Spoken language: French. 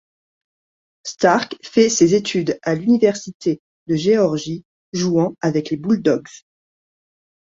Stark fait ses études à l'université de Géorgie jouant avec les Bulldogs.